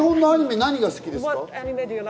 何が好きですか？